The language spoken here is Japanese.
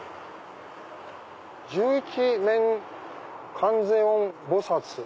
「十一面観世音菩薩」。